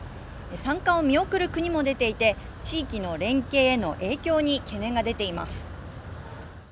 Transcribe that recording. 参加を見送る国も出ていて地域の連携への影響に懸念が出ています。